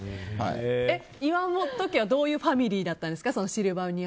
どういうファミリーだったんですか。